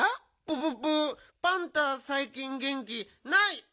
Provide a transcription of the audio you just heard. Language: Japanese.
プププパンタさいきんげん気ない！